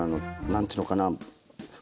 何ていうのかな